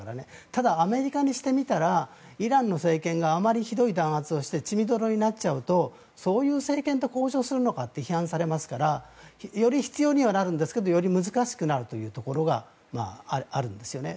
ただ、アメリカにしてみたらイランの政権があまりひどい弾圧をして血みどろになっちゃうとそういう政権と交渉するのかと批判されますからより必要にはなるんですがより難しくなるというところがあるんですよね。